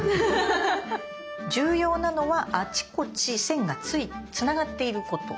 重要なのはあちこち線がつながっていること。